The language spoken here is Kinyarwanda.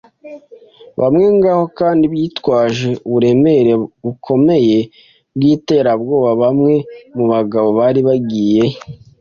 bamwe ngaho kandi bitwaje uburemere bukomeye bwiterabwoba. Bamwe mu bagabo bari bagiye